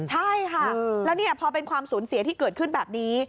ใช่ค่ะแล้วพอเป็นความสูญเสียที่เกิดขึ้นแบบนี้